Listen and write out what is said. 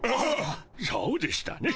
そうでしたね。